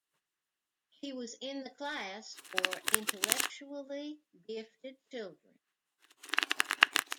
He was in the class for intellectually gifted children.